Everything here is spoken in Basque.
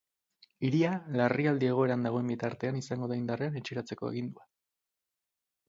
Hiria larrialdi egoeran dagoen bitartean izango da indarrean etxeratzeko agindua.